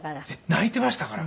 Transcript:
泣いていましたから。